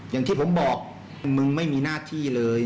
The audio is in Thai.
อย่างที่ผมบอกมึงไม่มีหน้าที่เลย